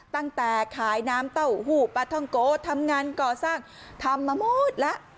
ตั้งแต่ขายน้ำเต้าหู้ปลาท่องโกทำงานก่อสร้างทำมาหมดแล้ว